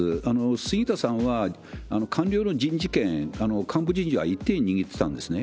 杉田さんは官僚の人事権、幹部人事を一手に握ってたんですね。